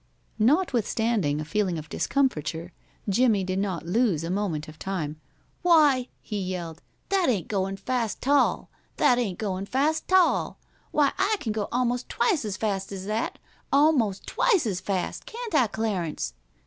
Notwithstanding a feeling of discomfiture, Jimmie did not lose a moment of time. "Why," he yelled, "that ain't goin' fast 'tall! That ain't goin' fast 'tall! Why, I can go almost twice as fast as that! Almost twice as fast! Can't I, Clarence?"